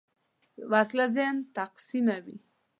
وسله ذهن تقسیموي